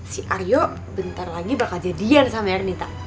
si aryo bentar lagi bakal jadian sama ernita